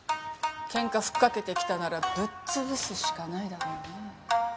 ケンカふっかけて来たならぶっつぶすしかないだろうね。